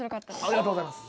ありがとうございます。